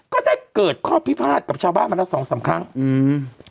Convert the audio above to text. ก็ได้เกิดข้อพิพาทกับชาวบ้านมาแล้วสองสามครั้งอืม